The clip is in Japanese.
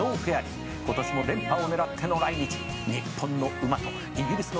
「今年も連覇を狙っての来日」「日本の馬とイギリスの名牝